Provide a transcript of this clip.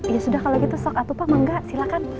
ya sudah kalau gitu sok atau enggak pak silahkan